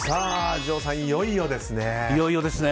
城さん、いよいよですね。